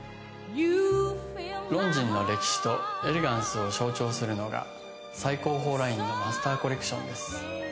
ロンジンの歴史とエレガンスを象徴するのが最高峰ラインのマスターコレクションです。